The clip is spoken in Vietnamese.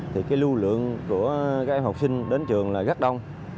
thì cái lưu lượng của các em học sinh đến trường là rất đông